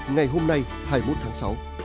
ngày hôm nay hai mươi một tháng sáu